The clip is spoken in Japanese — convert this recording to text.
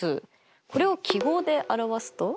これを記号で表すと？